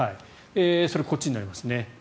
それ、こっちになります。